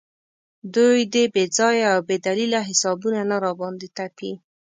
دوی دې بې ځایه او بې دلیله حسابونه نه راباندې تپي.